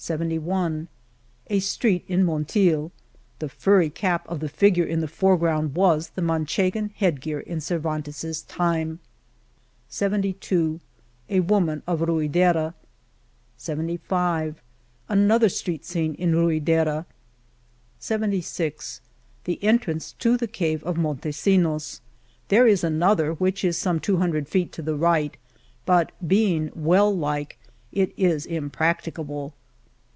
.* 70 A street in Monteil, The furry cap of the figure 4n the foreground was the Manchegan headgear in Cer vantes^ s time 77 A woman of Ruidera, 72 Another street scene of Ruideray ...• 7J The entrance to the Cave of Montesinos. There is another, which is some two hundred feet to the right, but being well like, it is impracticable